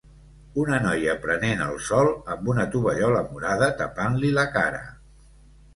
Una noia prenent el sol amb una tovallola morada tapant-li la cara.